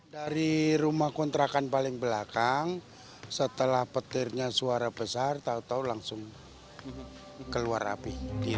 dari rumah kontrakan paling belakang setelah petirnya suara besar tau tau langsung keluar api